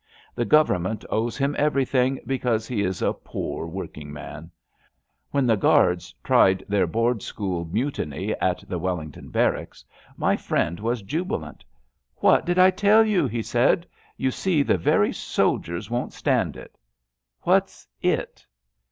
The Government owes him everything because he is a pore work in 'man. When the Guards tried their Board school mutiny at the Wellington Barracks my LETTERS ON LEAVE 207 friend was jubilant. ^* What did I tell yon? '' he said. You see the very soldiers won't stand it/' '' What's it?